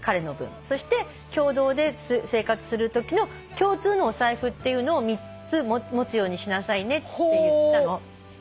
そして共同で生活するときの共通のお財布っていうのを３つ持つようにしなさいねって言ったの。